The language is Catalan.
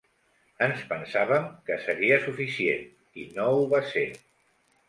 Ens pensàvem que seria suficient, i no ho va ser.